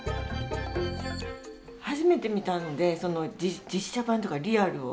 初めて見たんで、実写版というか、リアルを。